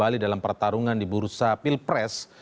jokowi dodo akan kembali dalam pertarungan di bursa pil pres